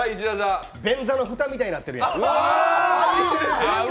便座の蓋みたいになってるやん。